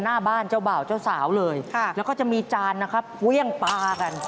หน้าบ้านเจ้าบ่าวเจ้าสาวเลยแล้วก็จะมีจานนะครับเวี่ยงปลากัน